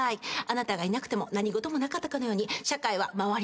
あなたがいなくても何事もなかったかのように社会は回ります。